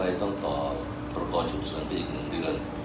และก็ต้องต่อปรากฎฉุกเชิญไปอีกหนึ่งเดือน